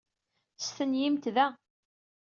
Stenyimt da.